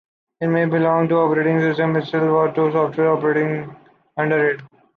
It may belong to the operating system itself, or to the software operating under it.